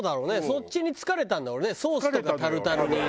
そっちに疲れたんだろうねソースとかタルタルに。